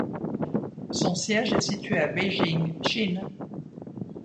Son siège est situé à Beijing, Chine.